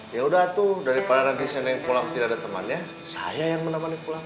yaudah tuh daripada nanti si neng pulang tidak ada temannya saya yang menemani pulang